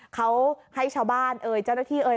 เขาให้ชาวบ้านเอ่ยเจ้าหน้าที่เอ่ย